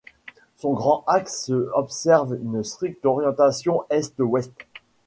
Son grand axe observe une stricte orientation est-ouest.